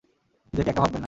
নিজেকে একা ভাববেন না।